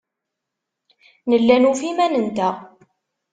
Nella nufa iman-nteɣ.